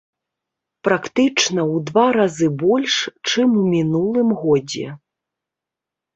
Практычна ў два разы больш, чым у мінулым годзе.